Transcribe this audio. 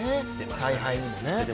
采配にもね。